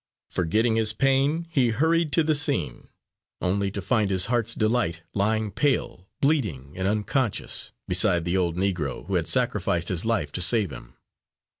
Forgetting his pain, he hurried to the scene, only to find his heart's delight lying pale, bleeding and unconscious, beside the old Negro who had sacrificed his life to save him.